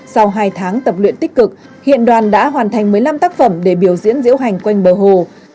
sau hai tháng tập luyện tích cực hiện đoàn đã hoàn thành một mươi năm tác phẩm để biểu diễn diễu hành quanh bờ hồ